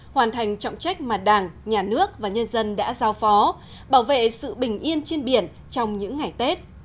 hoàn thành trọng trách mà đảng nhà nước và nhân dân đã giao phó bảo vệ sự bình yên trên biển trong những ngày tết